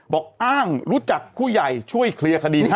บอกอ้างรู้จักผู้ใหญ่ช่วยเคลียร์คดีให้